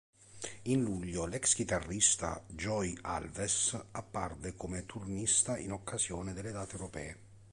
In luglio l'ex chitarrista Joey Alves apparve come turnista in occasione delle date europee.